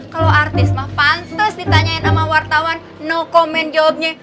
kalo artis mah pantas ditanyain sama wartawan no comment jawabnya